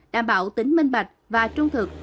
đảm bảo tính minh bạch và trung thực